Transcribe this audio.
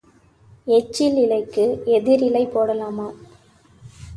எச்சில் இலைக்கு எதிர் இலை போடலாமா?